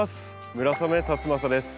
村雨辰剛です。